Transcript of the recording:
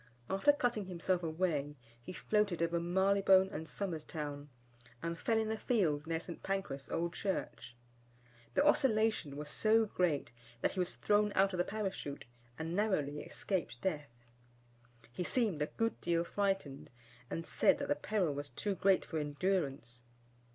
After cutting himself away, he floated over Marylebone and Somers Town, and fell in a field near St. Pancras Old Church. The oscillation was so great, that he was thrown out of the Parachute, and narrowly escaped death. He seemed a good deal frightened, and said that the peril was too great for endurance.